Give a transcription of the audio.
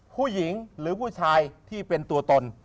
ผู้หญิงหรือผู้ชายที่เป็นตัวตน